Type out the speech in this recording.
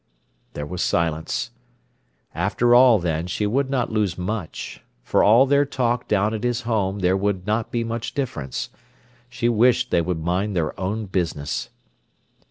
There was silence. After all, then, she would not lose much. For all their talk down at his home there would not be much difference. She wished they would mind their own business.